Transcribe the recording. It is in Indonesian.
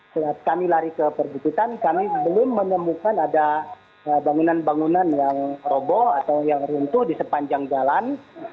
saat kami lari ke perbukitan kami belum menemukan ada bangunan bangunan yang robo atau yang runtuh di sepanjang jalan